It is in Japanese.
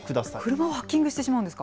車をハッキングしてしまうんですか。